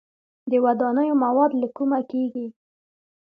د ودانیو مواد له کومه کیږي؟